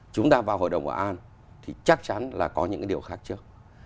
chúng ta vào hội đồng bảo an thì chắc chắn là có những cái điều khác trước